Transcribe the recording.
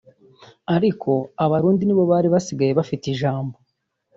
ariko Abarundi nibo bari basigaye bafite ijambo”